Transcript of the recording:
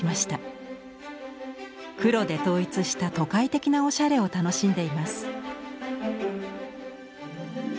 黒で統一した都会的なおしゃれを楽しんでいます。